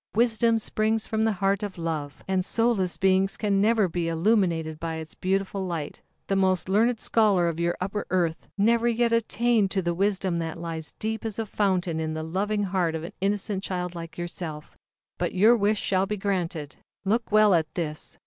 Wisdom springs from the heart of Love, and soulless beings can never be illuminated by its beautiful light. "The most learned scholar of your Upper Earth, never yet attained to the wisdom that lies deep as a fountain in the loving heart of an innocent child like yourself. But your wish shall be granted. Look well at this!"